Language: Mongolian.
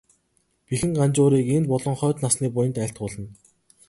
Бэхэн Ганжуурыг энэ болон хойд насны буянд айлтгуулна.